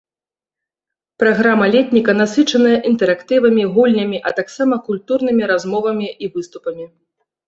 Праграма летніка насычаная інтэрактывамі, гульнямі, а таксама культурнымі размовамі і выступамі.